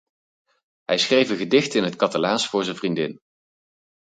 Hij schreef een gedicht in het Catalaans voor zijn vriendin.